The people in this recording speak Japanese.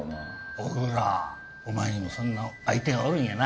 小倉お前にもそんな相手がおるんやな